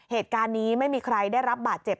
เหตุการณ์นี้ไม่มีใครได้รับบาดเจ็บ